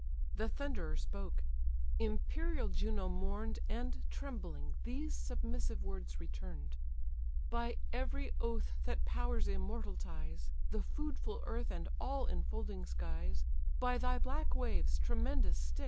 The Thunderer spoke: imperial Juno mourn'd, And, trembling, these submissive words return'd: "By every oath that powers immortal ties, The foodful earth and all infolding skies; By thy black waves, tremendous Styx!